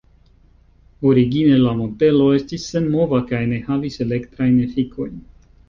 Origine la modelo estis senmova kaj ne havis elektrajn efikojn.